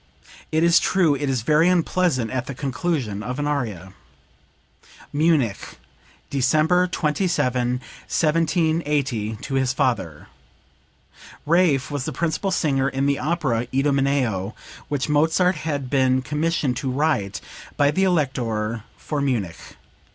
It is true it is very unpleasant at the conclusion of an aria." (Munich, December 27, 1780, to his father. Raaff was the principal singer in the opera "Idomeneo," which Mozart had been commissioned to write by the Elector for Munich.